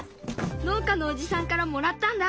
農家のおじさんからもらったんだ。